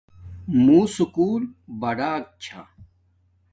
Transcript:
مُو سکُول بڑک چھا